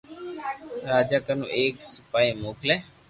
راجا ڪنو ايڪ سپايو موڪلي